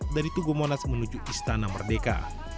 dari tugu monas menuju istana merdeka